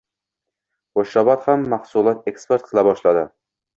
Qo‘shrabot ham mahsulot eksport qila boshladi